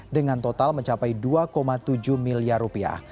dengan total mencapai dua tujuh miliar rupiah